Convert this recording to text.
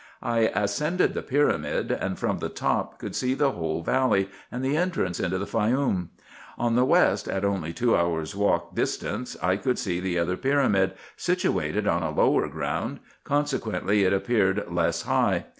I ascended the pyramid, and from the top could see the whole valley, and the entrance into the Faioum. On the west, at only two hours' walk distance, I could see the other pyramid, situated on a lower ground ; consequently it appeared less high.